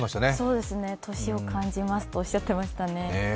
そうですね、年を感じますとおっしゃってましたね。